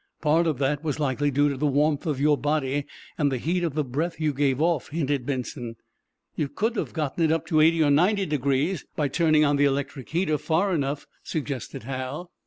"Part of that was likely due to the warmth of your body, and the heat of the breath you gave off," hinted Benson. "You could have gotten it up to eighty or ninety degrees by turning on the electric heater far enough," suggested Hal.